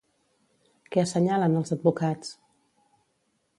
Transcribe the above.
Què assenyalen els advocats?